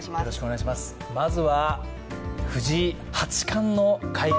まずは藤井八冠の会見